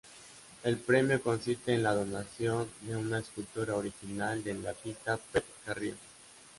El premio consiste en la donación de una escultura original del artista Pep Carrió.